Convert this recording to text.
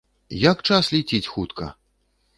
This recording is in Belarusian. Як час ляціць хутка!